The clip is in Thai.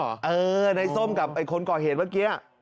เออได้เฉินในซ่มกับคนกอเหตุเมื่อกี้